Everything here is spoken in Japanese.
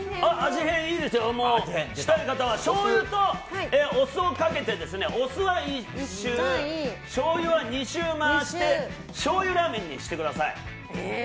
変したい方はしょうゆとお酢をかけてお酢は１周しょうゆは２周回してしょうゆラーメンにしてください。